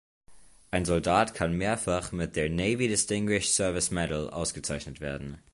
Ein Soldat kann mehrfach mit der Navy Distinguished Service Medal ausgezeichnet werden.